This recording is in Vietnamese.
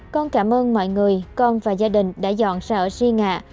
con cảm ơn mọi người con và gia đình đã dọn sợ suy ngạ